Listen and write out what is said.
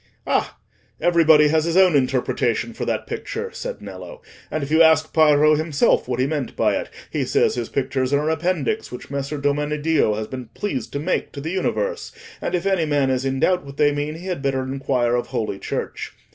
"Ah! everybody has his own interpretation for that picture," said Nello; "and if you ask Piero himself what he meant by it, he says his pictures are an appendix which Messer Domeneddio has been pleased to make to the universe, and if any man is in doubt what they mean, he had better inquire of Holy Church.